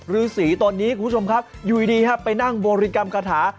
ฤษีตอนนี้คุณผู้ชมครับอยู่ดีครับไปนั่งบริกรรมคาถา